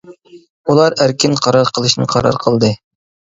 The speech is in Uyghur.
ئۇلار ئەركىن قارار قىلىشنى قارار قىلدى.